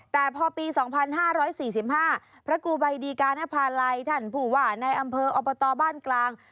แต่พอปีสองพันห้าร้อยสี่สิบห้าพระกูลใบดีการภาลัยท่านผู้หว่าในอำเภออบตบ้านกลาง